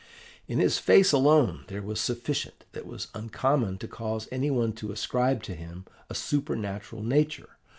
In his face alone there was sufficient that was uncommon to cause any one to ascribe to him a supernatural nature.